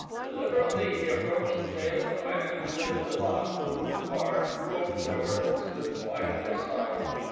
Deliberately he approached the tail of the van, undid the lock, removed the bar, threw open the doors, and stood quietly aside.